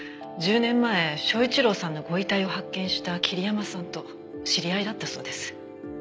１０年前昭一郎さんのご遺体を発見した桐山さんと知り合いだったそうです。